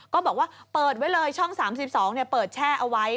ก็บอกว่าเปิดไว้เลยช่อง๓๒เปิดแช่เอาไว้